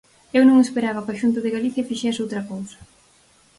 Eu non esperaba que a Xunta de Galicia fixese outra cousa.